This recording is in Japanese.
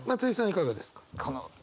いかがですか？